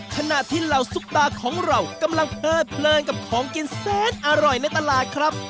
ขณะที่เหล่าซุปตาของเรากำลังเพลิดเพลินกับของกินแซนอร่อยในตลาดครับ